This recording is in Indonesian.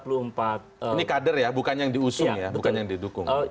ini kader ya bukan yang diusung ya bukan yang didukung